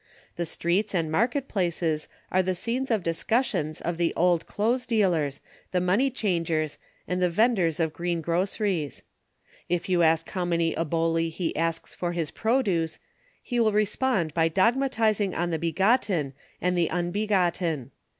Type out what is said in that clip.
The streets and market places are the scenes of discussions of the old clothes dealers, the money changers, and the venders of green grocer ies. If you ask how many oholi he asks for his produce, he will respond by dogmatizing on the Begotten and the Unbe gotten.